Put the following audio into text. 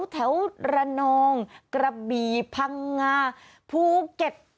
แถวระนองกระบี่พังงาภูเก็ต